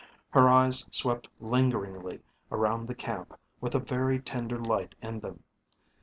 Her eyes swept lingeringly around the camp with a very tender light in them.